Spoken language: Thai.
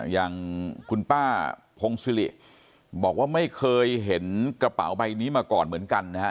อย่างคุณป้าพงศิริบอกว่าไม่เคยเห็นกระเป๋าใบนี้มาก่อนเหมือนกันนะฮะ